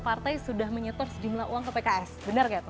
partai sudah menyetor jumlah uang ke pks bener gitu